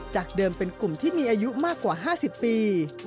จากเดิมเป็นกลุ่มที่มีอายุมากกว่า๕๐ปี